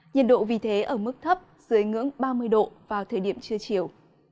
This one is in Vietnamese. nhiệt độ vì thế ở mức thấp dưới ngưỡng ba mươi độ vào thời điểm trưa chiều